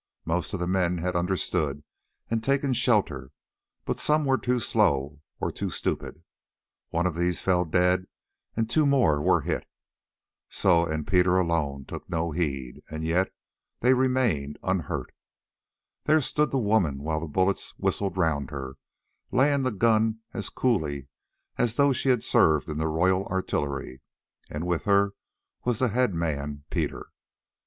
Most of the men had understood and taken shelter, but some were too slow or too stupid. Of these one fell dead and two more were hit. Soa and Peter alone took no heed, and yet they remained unhurt. There stood the woman, while the bullets whistled round her, laying the gun as coolly as though she had served in the Royal Artillery, and with her was the head man, Peter.